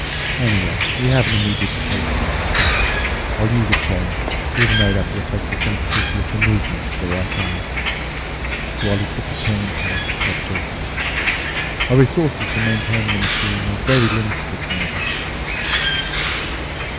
Anyway, we have an immediate replacement for the strap. I'll use a chain—even though that will affect the sensitivity of the movements for the right arm." And while he put the chain in place, he kept talking, "Our resources for maintaining the machine are very limited at the moment.